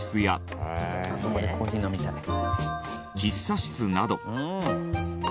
「あそこでコーヒー飲みたい」喫茶室など。